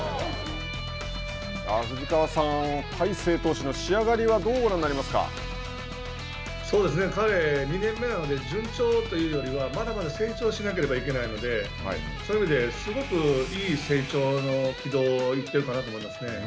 藤川さん、大勢選手の仕上がりは彼、２年目なので順調というよりはまだまだ成長しなければいけないのでそういう意味ですごくいい成長の軌道を行ってるかなと思いますね。